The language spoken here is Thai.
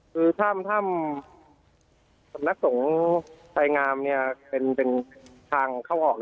คือถ่ำนักทรงสายงามเนี่ยเป็นเป็นทางเข้าออก